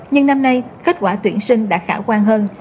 nhưng năm nay kết quả tuyển sinh đã khả quan hơn